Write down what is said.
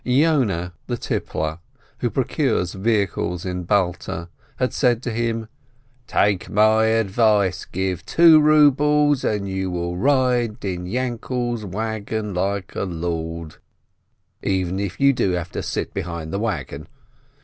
Yoneh, the tippler, who procures vehicles in Balta, had said to him : "Take my advice, give two rubles, and you will ride in Yainkel's wagon like a lord, even if you do have to sit behind the wagon.